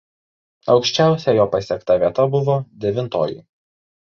Aukščiausia jo pasiekta vieta buvo devintoji.